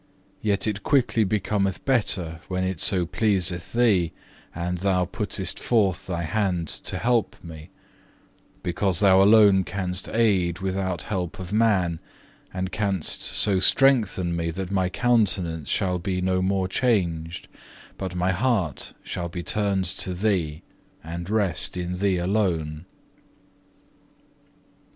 Yet it quickly becometh better when it so pleaseth Thee, and Thou puttest forth Thy hand to help me; because Thou alone canst aid without help of man, and canst so strengthen me that my countenance shall be no more changed, but my heart shall be turned to Thee, and rest in Thee alone.